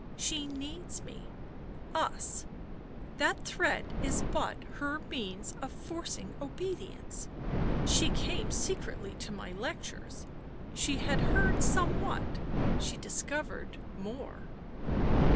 " She needs me— us— that threat is but her means of forcing obedience; she came secretly to my lectures— she had heard somewhat — she discovered more."